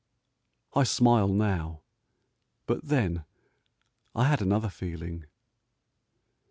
I smile now ... but then I had another feeling.